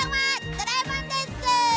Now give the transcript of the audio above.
ドラえもんです！